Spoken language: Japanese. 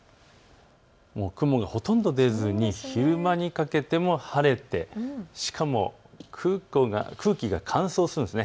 雲がほとんど出ずに昼間にかけても晴れてしかも空気が乾燥するんです。